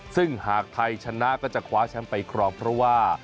ซึ่งหากไทยชนะก็จะคว้าแชมป์ไปครองเพราะว่า